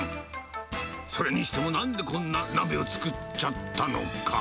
それにしてもなんでこんな鍋を作っちゃったのか。